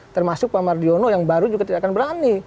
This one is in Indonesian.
termasuk pak mardiono yang baru juga tidak akan berani